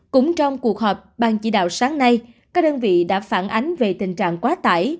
cũng trong cuộc họp ban chỉ đạo sáng nay các đơn vị đã phản ánh về tình trạng quá tải